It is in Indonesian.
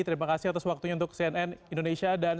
terima kasih atas waktunya untuk selamat datang